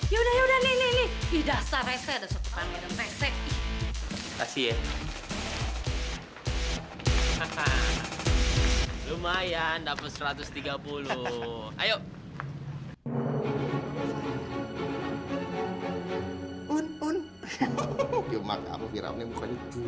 yaudah maka aku firaun yang bukannya dul